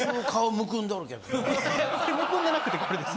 むくんでなくてこれです。